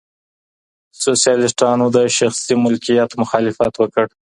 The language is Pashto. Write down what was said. سوسیالیستانو د شخصي ملکیت مخالفت وکړ.